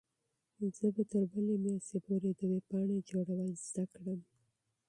زه به تر بلې میاشتې پورې د ویبپاڼې جوړول زده کړم.